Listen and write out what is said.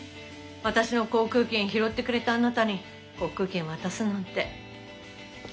私の航空券拾ってくれたあなたに航空券渡すなんて。